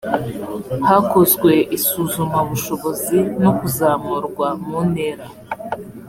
hakozwe isuzumabushobozi no kuzamurwa mu ntera.